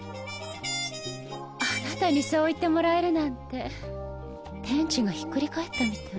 あなたにそう言ってもらえるなんて天地がひっくり返ったみたい。